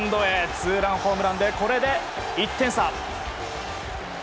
ツーランホームランで１点差。